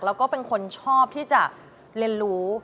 แล้วก็เป็นคนชอบที่จะเรียนรู้